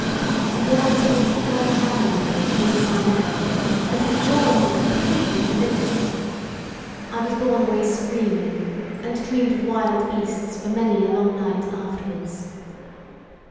He wore his great fur travelling coat inside out, and his roars were completely convincing. I was borne away screaming, and dreamed of wild beasts for many a long night afterwards.